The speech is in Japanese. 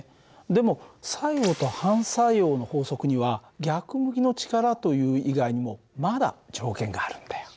でも作用と反作用の法則には逆向きの力という以外にもまだ条件があるんだよ。